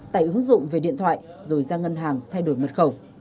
tải ứng dụng về điện thoại rồi ra ngân hàng thay đổi mật khẩu